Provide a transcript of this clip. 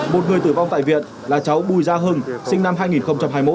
một người tử vong tại viện là cháu bùi gia hưng sinh năm hai nghìn hai mươi một